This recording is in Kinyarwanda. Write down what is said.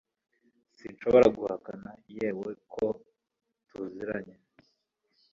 Sinshobora guhakana yewe ko tuziranye